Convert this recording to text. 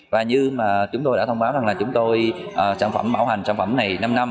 và như chúng tôi đã thông báo rằng là sản phẩm bảo hành sản phẩm này năm năm